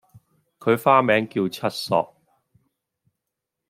佢花名叫七索